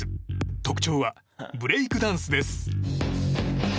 特徴はブレイクダンスです。